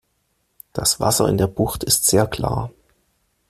Das Wasser in der Bucht ist sehr klar.